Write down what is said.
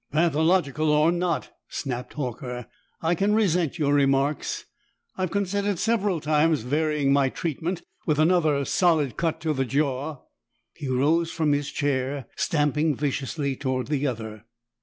"Pathological or not," snapped Horker, "I can resent your remarks! I've considered several times varying my treatment with another solid cut to the jaw!" He rose from his chair, stamping viciously toward the other.